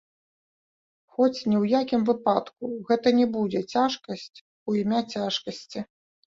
Хоць, ні ў якім выпадку гэта не будзе цяжкасць у імя цяжкасці.